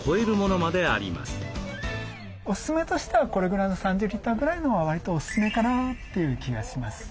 おすすめとしてはこれぐらいの３０リッターぐらいのはわりとおすすめかなという気がします。